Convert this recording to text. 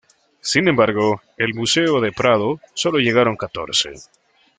Sin embargo, al Museo del Prado solo llegaron catorce.